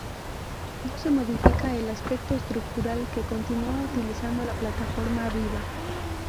No se modifica el aspecto estructural que continuó utilizando la plataforma Viva.